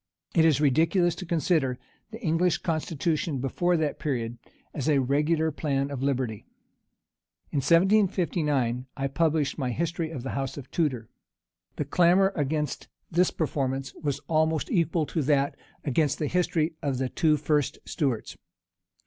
It is ridiculous to consider the English constitution before that period as a regular plan of liberty. In 1759, I published my history of the house of Tudor. The clamor against this performance was almost equal to that against the history of the two first Stuarts.